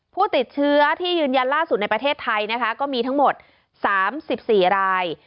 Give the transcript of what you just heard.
ผู้ติดเชื้อที่ยืนยันล่าสุดในประเทศไทยนะคะก็มีทั้งหมด๓๔ราย